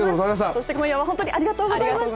そして今夜は、本当にありがとうございました。